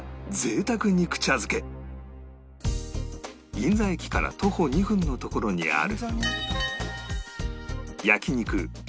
銀座駅から徒歩２分のところにある